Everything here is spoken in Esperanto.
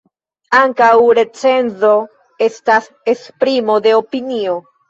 Ankaŭ recenzo estas esprimo de opinio.